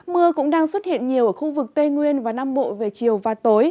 mưa cũng đang xuất hiện nhiều ở khu vực tây nguyên và nam bộ về chiều và tối